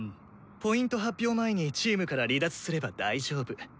Ｐ発表前にチームから離脱すれば大丈夫。